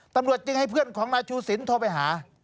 ตำรวจจึงให้เพื่อนของนายชูสินโทรไปหา